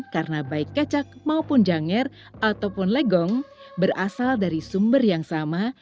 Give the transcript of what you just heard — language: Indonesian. karena baik kecak maupun jangir ataupun legong berasal dari sumber yang sama